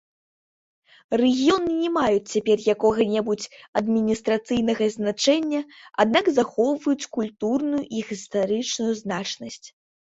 Рэгіёны не маюць цяпер якога-небудзь адміністрацыйнага значэння, аднак захоўваюць культурную і гістарычную значнасць.